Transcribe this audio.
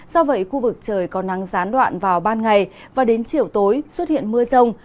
do vậy khu vực trời có nắng gián đoạn vào ban ngày và đến chiều tối xuất hiện mưa rông